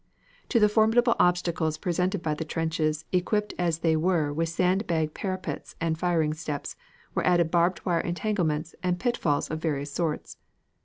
To the formidable obstacles presented by the trenches, equipped as they were with sand bag parapets and firing steps, were added barbed wire entanglements and pitfalls of various sorts.